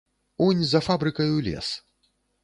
Унь за фабрыкаю лес.